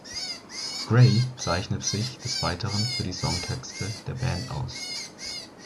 Gray zeichnet sich des Weiteren für die Songtexte der Band aus.